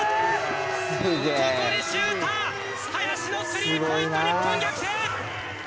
ここでシューター、林のスリーポイント、日本逆転。